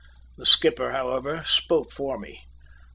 The skipper, however, spoke for me.